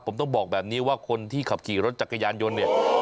ผมต้องบอกแบบนี้ว่าคนที่ขับขี่รถจักรยานยนต์เนี่ย